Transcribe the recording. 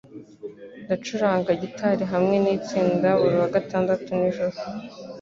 Ndacuranga gitari hamwe nitsinda buri wa gatandatu nijoro